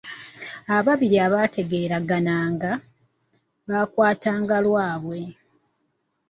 Ababiri abategeeragananga, bakwatanga lyabwe.